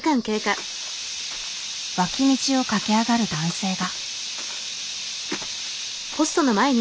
脇道を駆け上がる男性が。